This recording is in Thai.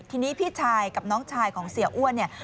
ทีนี้พี่ชายกับน้องชายของเสียอ้วนเนี่ย